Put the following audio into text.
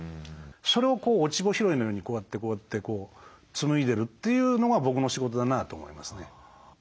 それを落ち穂拾いのようにこうやってこうやって紡いでるというのが僕の仕事だなと思いますね。